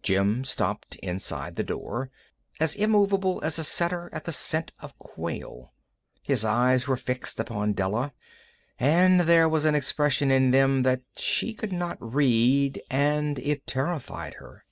Jim stopped inside the door, as immovable as a setter at the scent of quail. His eyes were fixed upon Della, and there was an expression in them that she could not read, and it terrified her.